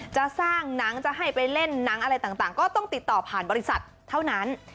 จะสร้างหนังจะให้ไปเล่นหนังอะไรต่างก็ต้องติดต่อผ่านบริษัทเท่านั้น